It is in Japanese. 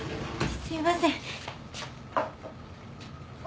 すいません。